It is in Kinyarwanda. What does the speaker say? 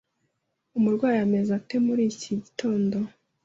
Umurwayi ameze ate muri iki gitondo?